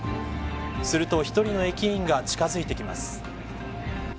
すると１人の駅員が近づいてきます。